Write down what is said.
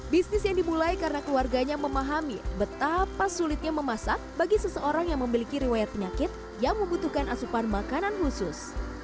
bisnis yang dimulai karena keluarganya memahami betapa sulitnya memasak bagi seseorang yang memiliki riwayat penyakit yang membutuhkan asupan makanan khusus